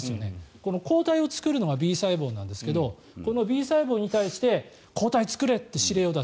この抗体を作るのがＢ細胞なんですけどこのＢ細胞に対して抗体作れって指令を出す。